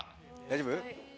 大丈夫？